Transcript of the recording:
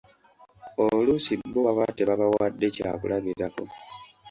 Oluusi bo baba tebabawadde kyakulabirako.